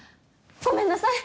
ごめんなさい！